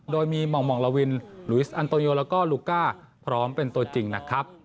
โดยมีหม่องลาวินลุยสอันโตโยแล้วก็ลูก้าพร้อมเป็นตัวจริงนะครับ